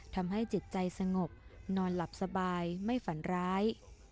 ทำให้จิตใจสงบนอนหลับสบายไม่ฝันร้าย